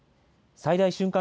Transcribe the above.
最大瞬間